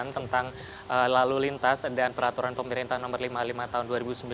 tentang lalu lintas dan peraturan pemerintah nomor lima puluh lima tahun dua ribu sembilan belas